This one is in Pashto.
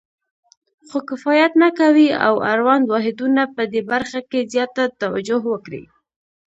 خو کفایت نه کوي او اړوند واحدونه پدې برخه کې زیاته توجه وکړي.